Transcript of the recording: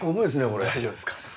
これ大丈夫ですか？